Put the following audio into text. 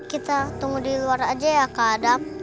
kita tunggu di luar aja ya kak adab